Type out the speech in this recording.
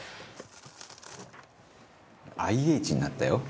「ＩＨになったよ